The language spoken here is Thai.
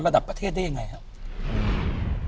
ระดับประเทศได้ยังไงครับ